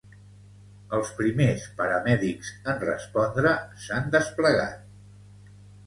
Els primers paramèdics en respondre s'han desplegat.